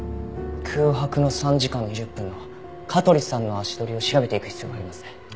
空白の３時間２０分の香取さんの足取りを調べていく必要がありますね。